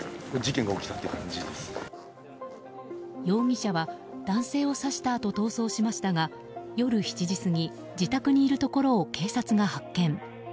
容疑者は男性を刺したあと逃走しましたが夜７時過ぎ自宅にいるところを警察が発見。